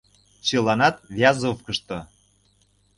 — Чыланат Вязовкышто...